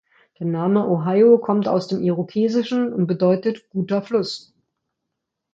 Der Name "Ohio" kommt aus dem Irokesischen und bedeutet „guter Fluss“.